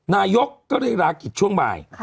นายกก็เลยลากิจช่วงบ่าย